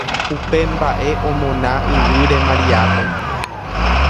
Upe mbaʼe omona yvýre Mariápe.